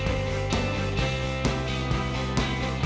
ไม่มีทางเลือก